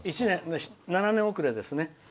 ７年遅れですね。